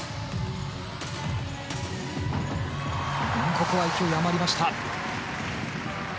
ここは勢い余りました。